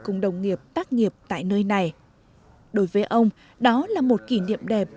cùng đồng nghiệp tác nghiệp tại nơi này đối với ông đó là một kỷ niệm đẹp